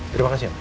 terima kasih pak